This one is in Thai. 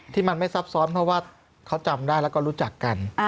ที่มันไม่ซับซ้อนเพราะว่าเขาจำได้แล้วก็รู้จักกัน